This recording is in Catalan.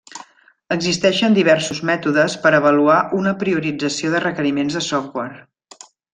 Existeixen diversos mètodes per a avaluar una priorització de requeriments de software.